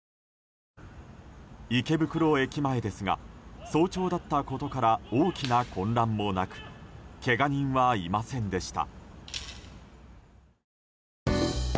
池袋駅前ですが早朝だったことから大きな混乱もなくけが人はいませんでした。